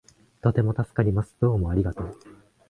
とても助かります。どうもありがとう